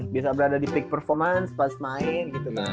bisa berada di peak performance pas main